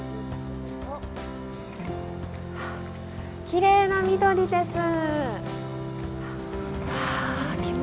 きれいな緑です。